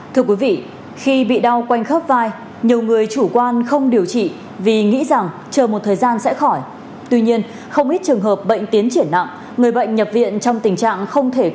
các bạn hãy đăng ký kênh để ủng hộ kênh của chúng mình nhé